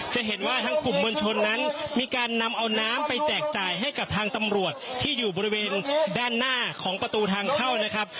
จะเห็นว่าทางกลุ่มมวลชนนั้นมีการนำเอาน้ำไปแจกจ่ายให้กับทางตำรวจที่อยู่บริเวณด้านหน้าของประตูทางเข้านะครับ